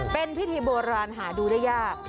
เป็นพิธีโบราณหาดูได้ยาก